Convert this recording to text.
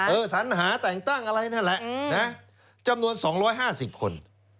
สัญหาแต่งตั้งอะไรนั่นแหละนะจำนวน๒๕๐คน